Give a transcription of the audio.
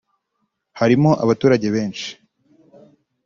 harimo abaturage benshi